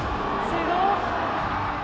「すごっ！」